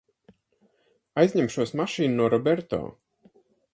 Aizņemšos mašīnu no Roberto.